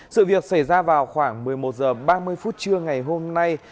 sự việc xảy ra vào khoảng một mươi một h ba mươi phút trưa ngày hôm nay